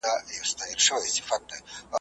یو ناڅاپه وو کوهي ته ور لوېدلې ,